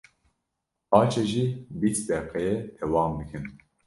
paşê jî bîst deqeyê dewam bikin.